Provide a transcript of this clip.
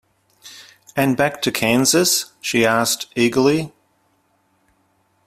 And back to Kansas? she asked, eagerly.